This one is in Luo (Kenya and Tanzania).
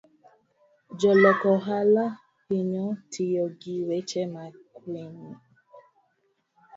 Jolok ohala hinyo tiyo gi weche makwiny.